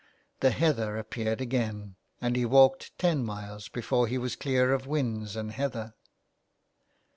The heather appeared again, and he had walked ten miles before he was clear of whins and heather.